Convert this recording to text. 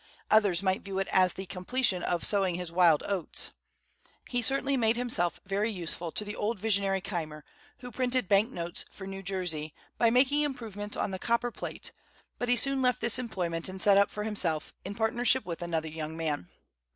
Others might view it as the completion of "sowing his wild oats." He certainly made himself very useful to the old visionary Keimer, who printed banknotes for New Jersey, by making improvements on the copper plate; but he soon left this employment and set up for himself, in partnership with another young man.